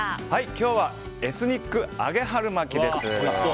今日はエスニック揚げ春巻きです。